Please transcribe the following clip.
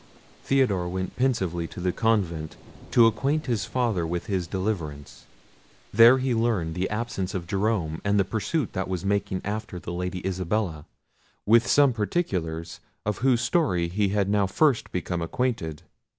Theodore went pensively to the convent, to acquaint his father with his deliverance. There he learned the absence of Jerome, and the pursuit that was making after the Lady Isabella, with some particulars of whose story he now first became acquainted.